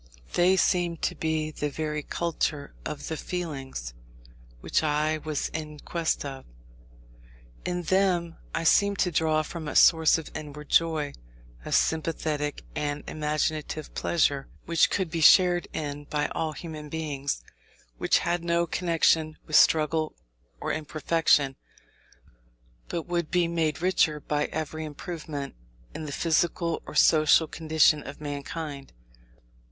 They seemed to be the very culture of the feelings, which I was in quest of. In them I seemed to draw from a source of inward joy, of sympathetic and imaginative pleasure, which could be shared in by all human beings; which had no connection with struggle or imperfection, but would be made richer by every improvement in the physical or social condition of mankind.